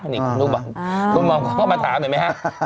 นี่คุณลูกบางทุนหมอมก็มาถามเห็นไหมครับ